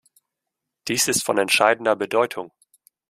Dies ist von entscheidender Bedeutung.